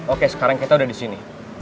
oke sekarang kita udah disini